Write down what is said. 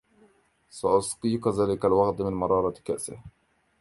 سأُذيق ذلك الوغدَ من مرارةِ كأسِه.